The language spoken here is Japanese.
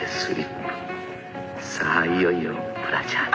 さあいよいよブラジャー。